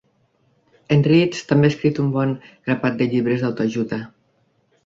En Ritz també ha escrit un bon grapat de llibres d'autoajuda.